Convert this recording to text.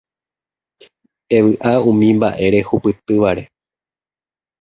Evy'a umi mba'e rehupytývare